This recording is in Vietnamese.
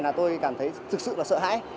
là tôi cảm thấy thực sự là sợ hãi